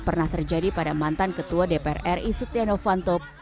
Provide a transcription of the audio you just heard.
pernah terjadi pada mantan ketua dpr ri setiano fantop